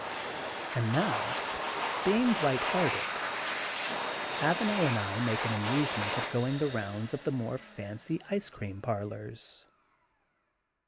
And nowj being light hearted, Avanel and I make an amusement of going the rounds of the more fancy ice cream parlors.